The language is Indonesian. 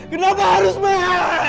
kenapa harus mel